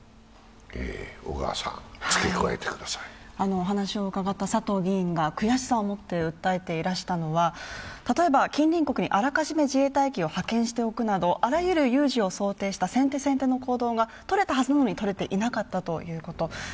お話を伺った佐藤議員が悔しさを持って伝えていたのは例えば近隣国にあらかじめ自衛隊機を派遣しておくなど、あらゆる有事を想定した、先手先手の行動が取れたはずなのに取れていなかったこと。